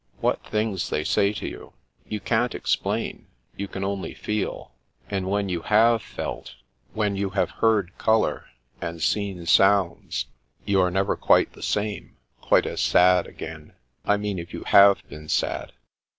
What things they say to you! You can't explain; you can only feel. And when you have felt, when you have heard colour, and seen sounds, you are never quite the same, quite as sad, again, — I mean if you have been sad."